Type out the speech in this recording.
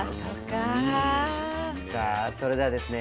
さあそれではですね